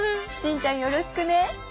しんちゃんよろしくね。